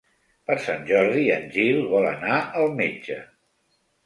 Per Sant Jordi en Gil vol anar al metge.